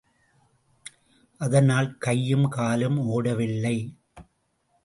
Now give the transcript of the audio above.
அதனால் கையும் காலும் ஓடவில்லை.